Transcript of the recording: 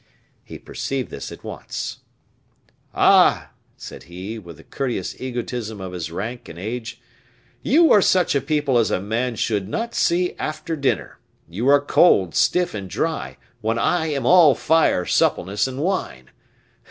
He perceived this at once. "Ah," said he, with the courteous egotism of his rank and age, "you are such people as a man should not see after dinner; you are cold, stiff, and dry when I am all fire, suppleness, and wine.